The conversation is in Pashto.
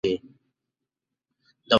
د واکسین مرکزونو تعداد زیات شوی دی.